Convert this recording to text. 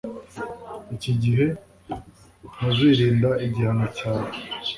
iki gihe, ntuzirinda igihano cyawe